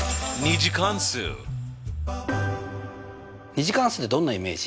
２次関数ってどんなイメージ？